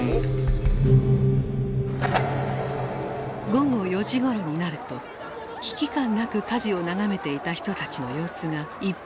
午後４時ごろになると危機感なく火事を眺めていた人たちの様子が一変していた。